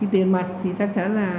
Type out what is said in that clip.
tiền mặt thì chắc chắn là